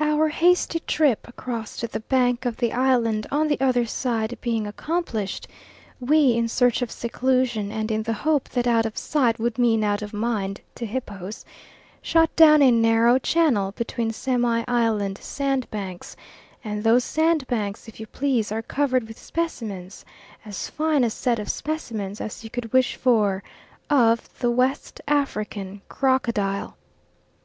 Our hasty trip across to the bank of the island on the other side being accomplished, we, in search of seclusion and in the hope that out of sight would mean out of mind to hippos, shot down a narrow channel between semi island sandbanks, and those sandbanks, if you please, are covered with specimens as fine a set of specimens as you could wish for of the West African crocodile.